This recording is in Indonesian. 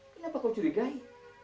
kenapa kau curigai